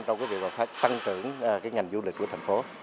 trong việc tăng trưởng ngành du lịch của thành phố